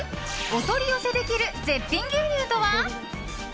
お取り寄せできる絶品牛乳とは？